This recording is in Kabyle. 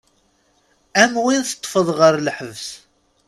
Am win teṭṭfeḍ ɣer lḥebs.